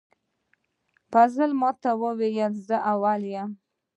فضل ماته وویل زه اول یم